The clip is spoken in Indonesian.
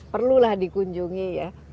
perlulah di kunjungi ya